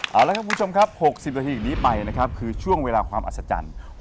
เอาละครับคุณผู้ชมครับ๖๐นาทีอย่างนี้ไปนะครับคือช่วงเวลาความอัศจรรย์